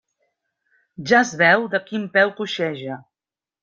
Ja es veu de quin peu coixeja.